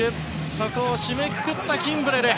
そこを締めくくったキンブレル。